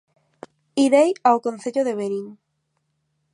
Irei ao Concello de Verín